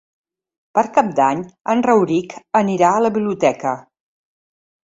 Per Cap d'Any en Rauric anirà a la biblioteca.